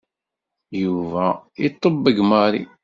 Yuba iṭebbeg Marie.